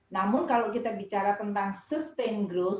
namun kalau kita bicara tentang sustain growth